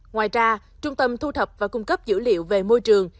ngoài ra trung tâm thu thập và cung cấp dữ liệu về môi trường